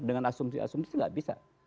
dengan asumsi asumsi nggak bisa